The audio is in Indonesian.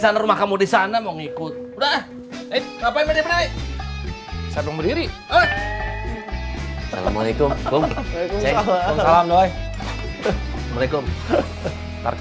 nah bagaimana berarti